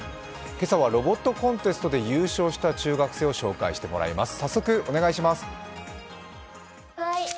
今朝はロボットコンテストで優勝した中学生を紹介してもらいます。